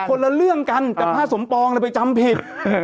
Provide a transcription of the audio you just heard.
คนละเรื่องกันแต่พระสมปองเลยไปจำผิด